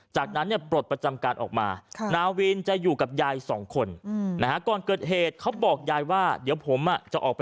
จากนั้นปรดประจำการณ์ออกมานาวินจะอยู่กับยาย๒คน